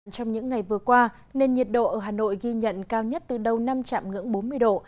trong những ngày vừa qua nền nhiệt độ ở hà nội ghi nhận cao nhất từ đầu năm chạm ngưỡng bốn mươi độ